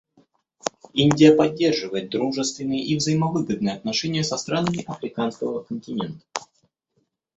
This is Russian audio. Индия поддерживает дружественные и взаимовыгодные отношения со странами Африканского континента.